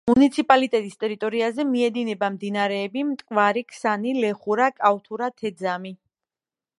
მუნიციპალიტეტის ტერიტორიაზე მიედინება მდინარეები მტკვარი, ქსანი, ლეხურა, კავთურა, თეძამი.